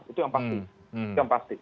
itu yang pasti